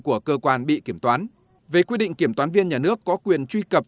của cơ quan bị kiểm toán về quy định kiểm toán viên nhà nước có quyền truy cập